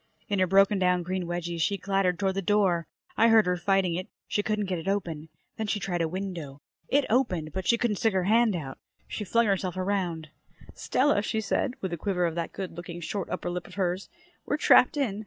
In her broken down green wedgies she clattered toward the door. I heard her fighting it. She couldn't get it open. Then she tried a window. It opened, but she couldn't stick her hand out. She flung herself around. "Stella," she said, with a quiver of that good looking short upper lip of hers, "we're trapped in.